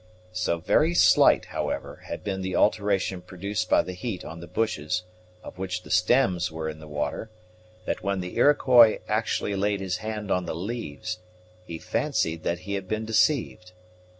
So very slight, however, had been the alteration produced by the heat on the bushes of which the stems were in the water, that when the Iroquois actually laid his hand on the leaves, he fancied that he had been deceived.